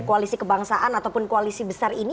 koalisi kebangsaan ataupun koalisi besar ini